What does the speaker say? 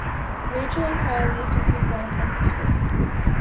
Rachel and Kyle leave to see Fred at the hospital.